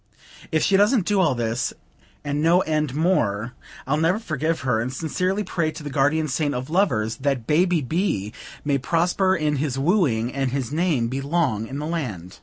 If she doesn't do all this, and no end more, I'll never forgive her; and sincerely pray to the guardian saint of lovers, that "Baby B." may prosper in his wooing, and his name be long in the land.